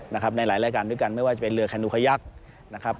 ในหลายระยะกันด้วยกันไม่ว่าจะเป็นเรือแคนูไขยักษ์